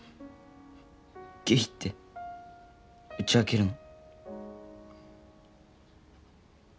ゲイって打ち明けるの。